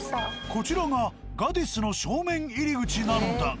こちらが「ガディス」の正面入り口なのだが。